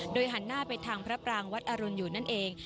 หันหน้าไปทางพระปรางวัดอรุณอยู่นั่นเอง